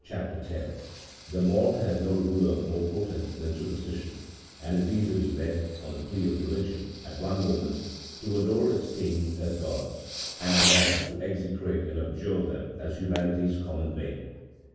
chap. 10) :" The mob has no ruler more potent than superstition," and is easily led, on the plea of religion, at one moment to adore its kings as gods, and anon to execrate and abjure them as humanity's common bane.